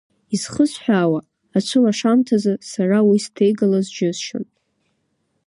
Изхысҳәаауа, ацәылашамҭазы сара уи сҭеигалоз џьысшьон.